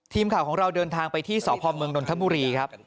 ทีมข่าวของเราเดินทางไปที่สพบริษัทดนทมีครับ